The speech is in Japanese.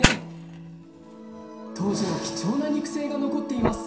当時の貴重な肉声が残っています